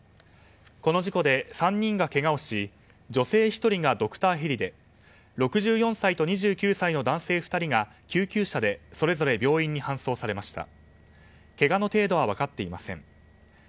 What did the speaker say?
この事故で３人がけがをし女性１人がドクターヘリで６４歳と２９歳の男性２人が救急車でそれぞれ病院に搬送されました。